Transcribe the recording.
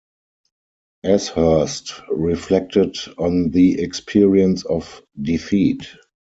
Ashurst reflected on the experience of defeat.